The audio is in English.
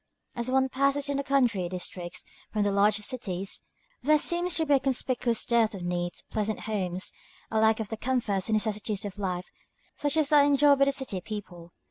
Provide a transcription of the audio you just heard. As one passes into the country districts from the large cities, there seems to be a conspicuous dearth of neat, pleasant homes, a lack of the comforts and necessities of life such as are enjoyed by city people.